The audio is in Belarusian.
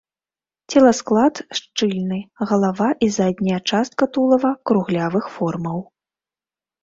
Целасклад шчыльны, галава і задняя частка тулава круглявых формаў.